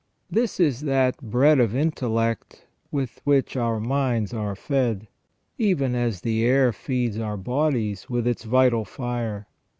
381 This is that " bread of intellect " with which our minds are fed, even as the air feeds our bodies with its vital fire.